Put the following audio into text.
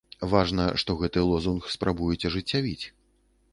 Важна, што гэты лозунг спрабуюць ажыццявіць.